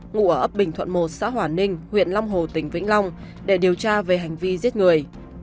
ngụ ở ấp bình thuận một xã hòa ninh huyện long hồ tỉnh vĩnh long để điều tra về hành vi giết người